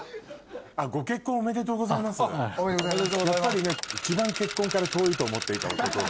やっぱりね一番結婚から遠いと思っていた男が。